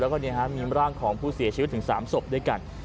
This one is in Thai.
แล้วก็มีร่างของผู้เสียชีวิตถึง๓ศพด้วยกัน